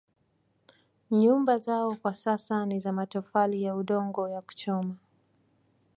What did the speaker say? Nyumba zao kwa sasa ni za matofali ya udongo ya kuchoma